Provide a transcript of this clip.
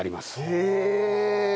へえ。